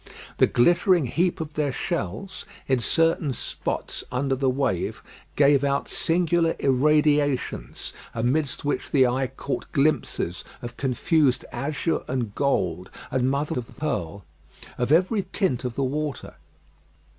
The glittering heap of their shells, in certain spots under the wave, gave out singular irradiations, amidst which the eye caught glimpses of confused azure and gold, and mother of pearl, of every tint of the water.